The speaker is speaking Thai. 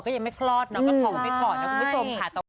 ของไปก่อนนะคุณพี่สมค่ะ